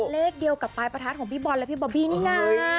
เลขเดียวกับปลายประทัดของพี่บอลและพี่บอบบี้นี่นะ